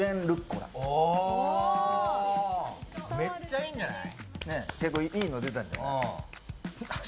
めっちゃいいんじゃない？